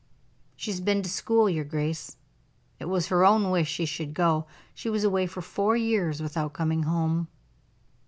"She has been to school, your grace; it was her own wish she should go. She was away for four years without coming home."